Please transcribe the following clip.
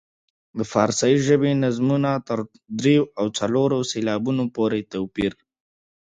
د فارسي ژبې نظمونو تر دریو او څلورو سېلابونو پورې توپیر.